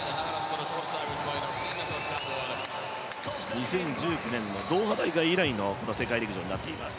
２０１９年のドーハ大会の世界陸上になっています。